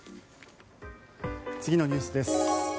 次のニュースです。